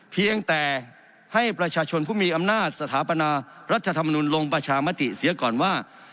เพียงแต่ให้ประชาชนผู้มีอำนาจสถาปนารัฐธรรมนุนลงประชามติเสียก่อนว่า